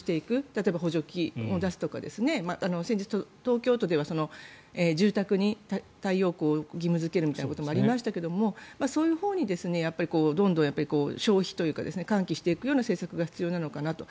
例えば補助金を出すとか先日、東京都では住宅に太陽光を義務付けるみたいなことがありましたがそういうほうにどんどん消費というか喚起していくような政策が必要なのかなと。